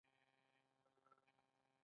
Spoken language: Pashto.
دوی باید په اشتراکي ډول ژوند کړی وای.